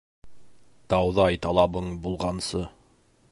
Тауҙай талабың булғансы.